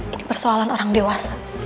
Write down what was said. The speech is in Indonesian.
ini persoalan orang dewasa